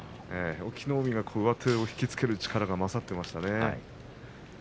隠岐の海が上手を引き付ける力が勝っていましたね。